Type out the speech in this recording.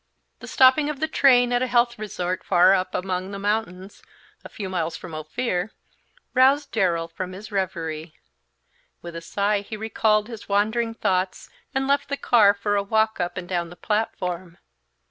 The stopping of the train at a health resort far up among the mountains, a few miles from Ophir, roused Darrell from his revery. With a sigh he recalled his wandering thoughts and left the car for a walk up and down the platform.